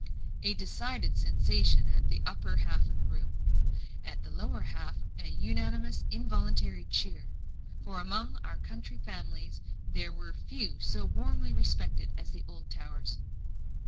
A decided sensation at the upper half of the room. At the lower half an unanimous, involuntary cheer; for among our county families there were few so warmly respected as the Oldtowers.